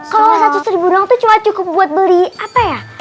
kalau satu seribu doang tuh cuma cukup buat beli apa ya